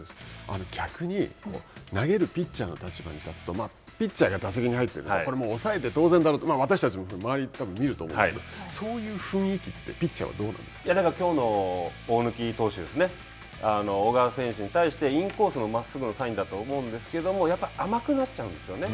逆に、投げるピッチャーの立場に立つとピッチャーが打席に入っていると、抑えて当然だろうと、私たちも、周りもたぶん見ると思うんですけれども、そういう雰囲気ってピッチャーはどうなんですだからきょうの大貫投手ですね、小川選手に対してインコースのまっすぐのサインだと思うんですけれども、やっぱり甘くなっちゃうんですよね。